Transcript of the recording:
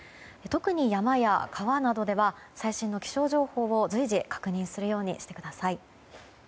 特に山や川などでは最新の気象情報を随時、確認するようにしてください。